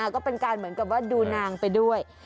ก็เป็นการเหมือนกับว่าดูนางไปด้วย